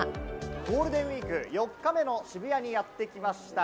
ゴールデンウイーク４日目の渋谷にやってきました。